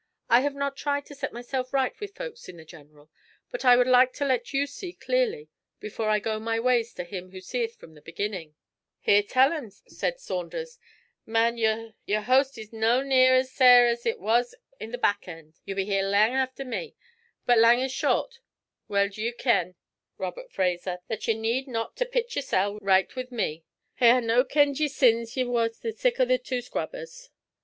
I have not tried to set myself right with folks in the general, but I would like to let you see clearly before I go my ways to Him who seeth from the beginning.' 'Hear till him,' said Saunders; 'man, yer hoast is no' near as sair as it was i' the back end. Ye'll be here lang efter me; but lang or short, weel do ye ken, Robert Fraser, that ye need not to pit yersel' richt wi' me. Hae I no' kenned ye sins ye war the sic o' twa scrubbers?'